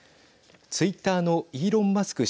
ツイッターのイーロン・マスク